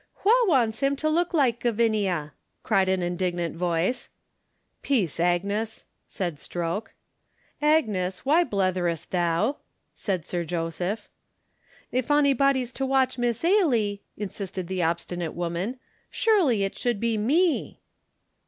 "Wha wants him to look like Gavinia?" cried an indignant voice. "Peace, Agnes!" said Stroke. "Agnes, why bletherest thou?" said Sir Joseph. "If onybody's to watch Miss Ailie," insisted the obstinate woman, "surely it should be me!"